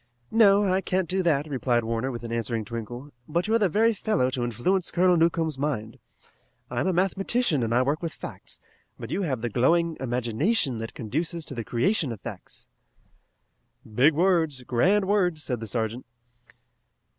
"No, I can't do that," replied Warner, with an answering twinkle, "but you're the very fellow to influence Colonel Newcomb's mind. I'm a mathematician and I work with facts, but you have the glowing imagination that conduces to the creation of facts." "Big words! Grand words!" said the sergeant.